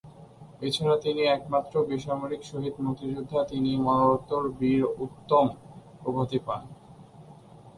এছাড়া তিনিই একমাত্র বেসামরিক শহীদ মুক্তিযোদ্ধা, যিনি ‘মরণোত্তর বীর উত্তম’ উপাধি পান।